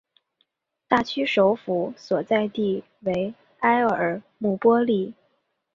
大区首府所在地为埃尔穆波利。